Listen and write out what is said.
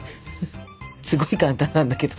すごい簡単なんだけど。